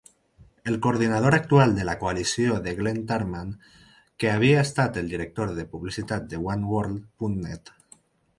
El coordinador actual de la coalició és Glen Tarman, que havia estat el director de publicitat de OneWorld punt net.